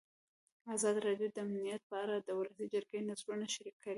ازادي راډیو د امنیت په اړه د ولسي جرګې نظرونه شریک کړي.